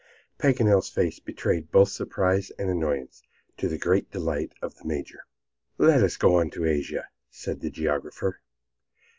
Paganel's face betrayed both surprise and annoyance, to the great delight of the Major. "Let us go on to Asia," said the geographer.